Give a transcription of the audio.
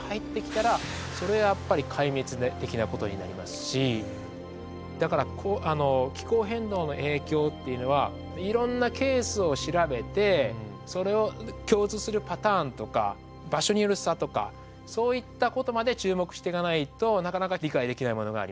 もしこれ以上だから気候変動の影響っていうのはいろんなケースを調べてそれを共通するパターンとか場所による差とかそういったことまで注目していかないとなかなか理解できないものがあります。